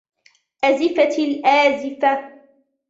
أزفت الآزفة